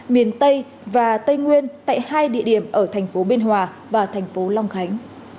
miền tây và tây nguyên tại hai địa điểm ở thành phố biên hòa và thành phố long khánh